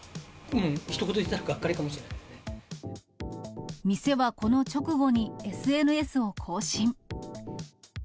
ひと言で言ったら、がっかりかも店はこの直後にＳＮＳを更新。